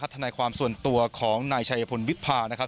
ธนายความส่วนตัวของนายชายพลวิภา